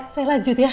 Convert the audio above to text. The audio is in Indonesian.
saya lanjut ya